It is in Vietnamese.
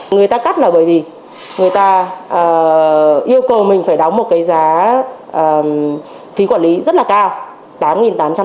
người ta cắt là bởi vì người ta yêu cầu mình phải đóng một cái giá phí quản lý rất là cao